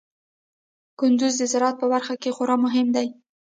کندز د زراعت په برخه کې خورا مهم دی.